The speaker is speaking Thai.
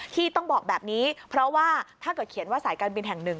ที่ต้องบอกแบบนี้เพราะว่าถ้าเกิดเขียนว่าสายการบินแห่งหนึ่ง